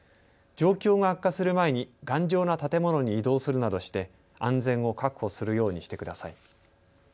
状況が悪化する前に頑丈な建物に移動するなどして安全を確保するようにしてください。